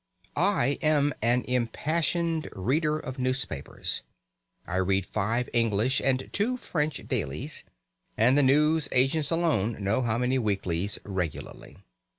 I am an impassioned reader of newspapers. I read five English and two French dailies, and the news agents alone know how many weeklies, regularly.